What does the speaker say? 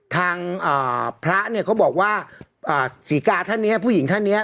ทางพระเนี่ยเขาบอกว่าศรีกาท่านเนี้ยผู้หญิงท่านเนี้ย